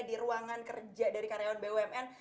di ruangan kerja dari karyawan bumn